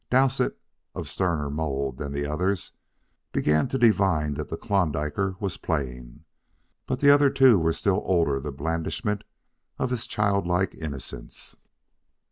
Dowsett, of sterner mould than the others, began to divine that the Klondiker was playing. But the other two were still under the blandishment of his child like innocence.